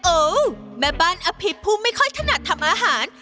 โอ้โหแม่บ้านอภิษผู้ไม่ค่อยถนัดทำอาหาร